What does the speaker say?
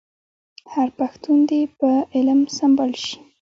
هر پښتون دي په علم سمبال شي.